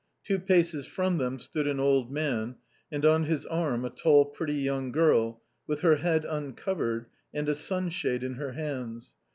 Two paces from them stood an old man, and on his arm a tall pretty young girl, with her head uncovered and a sunshade in her hands.